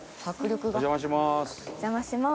お邪魔します。